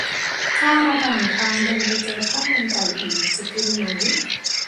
ถ้าระหว่างทาง เดินไปเจอข้าวมันไก่อีก จะกินไหม ?